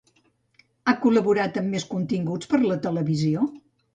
Ha col·laborat en més continguts per a la televisió?